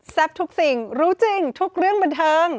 ทุกสิ่งรู้จริงทุกเรื่องบันเทิง